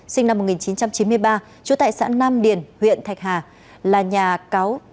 sinh năm một nghìn chín trăm chín mươi ba chú tài sản nam điền huyện thạch hà